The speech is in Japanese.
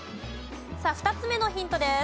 さあ２つ目のヒントです。